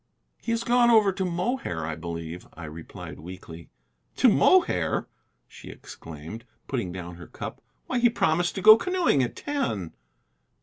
"He has gone over to Mohair, I believe," I replied weakly. "To Mohair!" she exclaimed, putting down her cup; "why, he promised to go canoeing at ten.